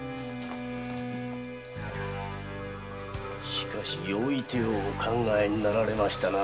しかしよい手をお考えになられましたな。